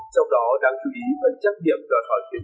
trong đó đáng chú ý phần trách nhiệm